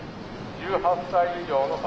１８歳以上の方。